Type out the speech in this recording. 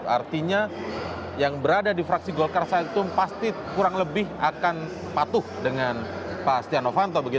artinya yang berada di fraksi golkar saat itu pasti kurang lebih akan patuh dengan pak setia novanto